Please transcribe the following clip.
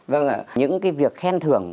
vâng ạ những cái việc khen thưởng